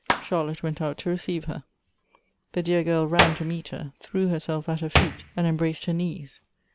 Charlotte went out to receive her. The dear girl ran to meet her, threw herself at her feet, and em braced her knees.